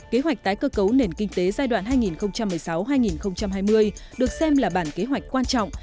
kế hoạch tái cơ cấu nền kinh tế giai đoạn hai nghìn một mươi sáu hai nghìn hai mươi được xem là bản kế hoạch quan trọng